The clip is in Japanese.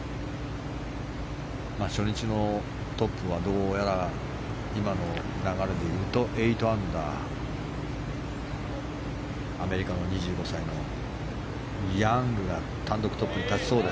初日のトップはどうやら今の流れで言うと８アンダー、アメリカの２５歳ヤングが単独トップに立ちそう。